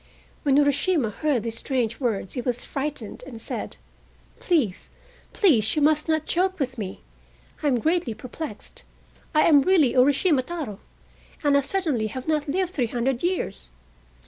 When Urashima heard these strange words he was frightened, and said: "Please, please, you must not joke with me, I am greatly perplexed. I am really Urashima Taro, and I certainly have not lived three hundred years.